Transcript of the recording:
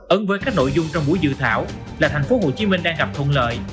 ấn với các nội dung trong buổi dự thảo là thành phố hồ chí minh đang gặp thuận lợi